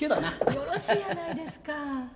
よろしいやないですか。